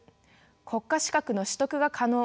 国家資格の取得が可能。